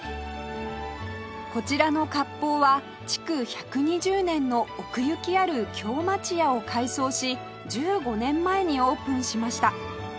こちらの割烹は築１２０年の奥行きある京町家を改装し１５年前にオープンしました